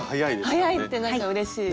速いってなんかうれしい。